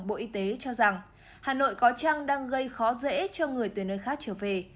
bộ y tế cho rằng hà nội có chăng đang gây khó dễ cho người từ nơi khác trở về